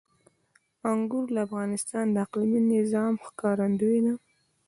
انګور د افغانستان د اقلیمي نظام ښکارندوی ده.